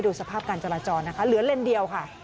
สภาพการจราจรนะคะเหลือเลนเดียวค่ะ